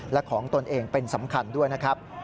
และของตนเองเป็นสำคัญด้วยนะครับ